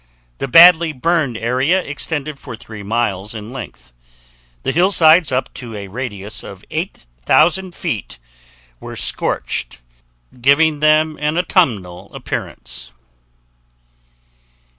The badly burned area extended for 3 miles in length. The hillsides up to a radius of 8,000 feet were scorched, giving them an autumnal appearance.